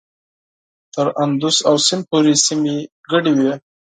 تر اندوس او سیند پورې سیمې شاملي وې.